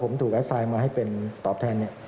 ผมถูกอัสไซด์มาให้เป็นตอบแทนเนี่ย